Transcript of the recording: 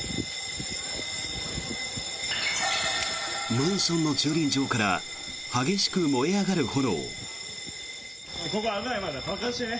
マンションの駐輪場から激しく燃え上がる炎。